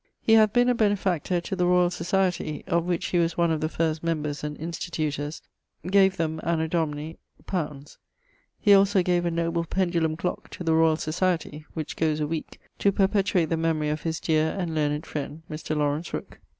He hath been a benefactor to the Royall Societie, (of which he was one of the first members and institutors[XCIX.]), gave them, Anno Domini ... li. He also gave a noble pendulum clock to the Royall Societie (which goes a weeke), to perpetuate the memory of his deare and learned friend, Mr. Laurence Rooke. [XCIX.